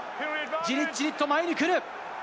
じりっじりっと前に来る！